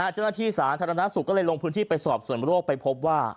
เจ้าหน้าที่สาธารณสุขก็เลยลงพื้นที่ไปสอบส่วนโรคไปพบว่า